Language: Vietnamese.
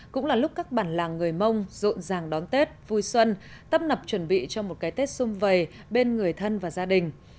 cũng là lúc các bản làng người mông rộn ràng đón tết vui xuân tấp nập chuẩn bị cho một cái tết xung vầy bên người thân và gia đình